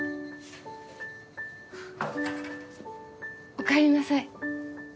おかえりなさい。